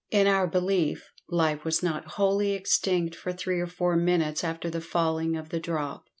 In our belief, life was not wholly extinct for three or four minutes after the falling of the drop.